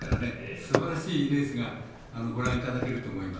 すばらしいレースがご覧いただけると思います。